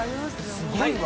すごいわ。